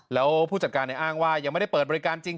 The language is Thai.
แล้วผู้จัดการอ้างว่ายังไม่ได้เปิดบริการจริง